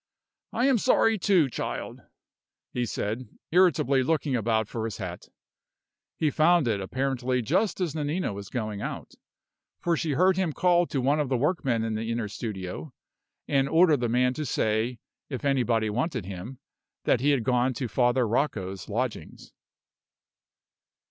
"I am sorry too, child," he said, irritably looking about for his hat. He found it apparently just as Nanina was going out; for she heard him call to one of the workmen in the inner studio, and order the man to say, if anybody wanted him, that he had gone to Father Rocco's lodgings.